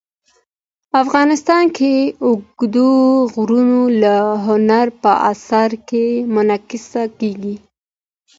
افغانستان کې اوږده غرونه د هنر په اثار کې منعکس کېږي.